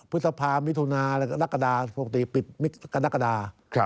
พฤษภาพมิถุนานักกระดาษปกติปิดกับนักกระดาษ